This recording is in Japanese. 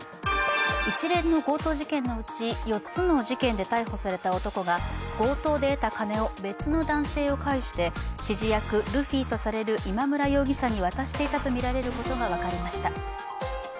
一連の強盗事件のうち４つの事件で逮捕された男が強盗で得た金を別の男性を介して指示役ルフィとされる今村容疑者に渡していたとみられることが分かりました。